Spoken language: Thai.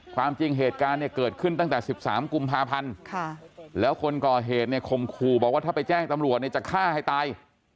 ความจริงเหตุการณ์เนี่ยเกิดขึ้นตั้งแต่๑๓กุมภาพันธ์แล้วคนก่อเหตุเนี่ยข่มขู่บอกว่าถ้าไปแจ้งตำรวจเนี่ยจะฆ่าให้ตาย